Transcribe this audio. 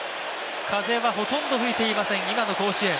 風はほとんど吹いていません、今の甲子園。